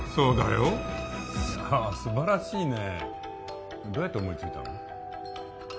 いや素晴らしいねどうやって思いついたの？